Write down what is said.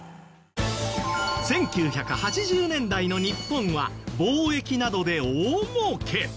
１９８０年代の日本は貿易などで大儲け。